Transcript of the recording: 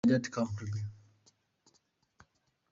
May that come to be!